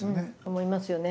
思いますよね。